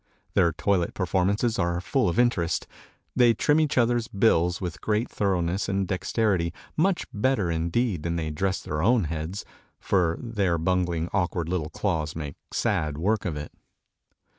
Their toilet performances are full of interest. They trim each other's bills with great thoroughness and dexterity, much better, indeed, than they dress their own heads, for their bungling, awkward little claws make sad work of it.